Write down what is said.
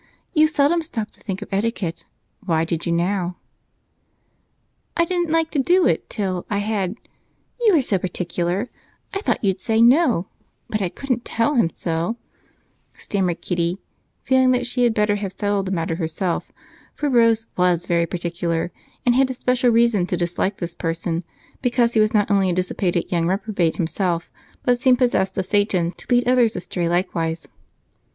You seldom stop to think of etiquette why did you now?" "I didn't like to do it till I had you are so particular I thought you'd say 'no,' but I couldn't tell him so," stammered Kitty, feeling that she had better have settled the matter herself, for Rose was very particular and had especial reason to dislike this person because he was not only a dissipated young reprobate himself but seemed possessed of Satan to lead others astray likewise.